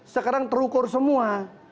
sekarang terukur semua